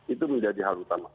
itu menjadi hal utama